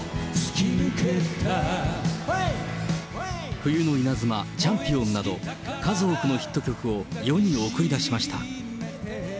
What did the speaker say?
冬の稲妻、チャンピオンなど、数多くのヒット曲を世に送り出しました。